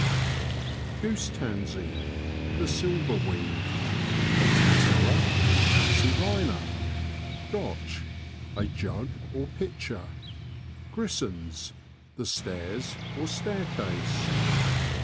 Goose Tansey. — The silver weed {Potentilla anse rind). GOTCH. — A jug or pitcher. Grissons. — The stairs or staircase.